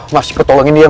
mas ikut tolongin dia mas